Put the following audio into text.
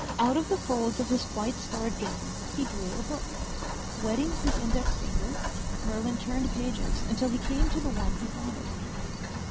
Out of the folds of his white starred gown he drew a book. Wetting his index finger, Merlin turned pages until he came to the one he wanted.